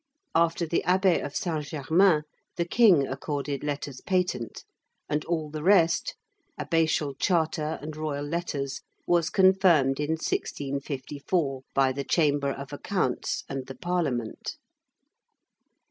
After the Abbé of Saint Germain, the king accorded letters patent; and all the rest, abbatial charter, and royal letters, was confirmed in 1654 by the Chamber of Accounts and the Parliament.